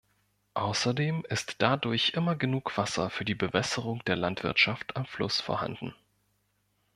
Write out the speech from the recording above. Außerdem ist dadurch immer genug Wasser für die Bewässerung der Landwirtschaft am Fluss vorhanden.